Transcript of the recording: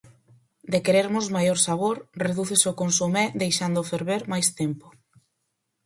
De querermos maior sabor, redúcese o consomé deixándoo ferver máis tempo.